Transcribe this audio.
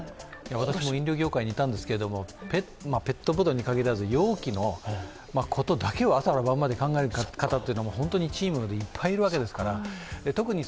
私も飲料業界にいたんですが、ペットボトルにかぎらず容器のことだけを朝から晩まで考える人も本当にチームでいっぱいいるわけですから。